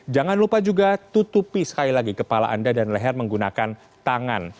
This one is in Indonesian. jangan lupa juga tutupi sekali lagi kepala anda dan leher menggunakan tangan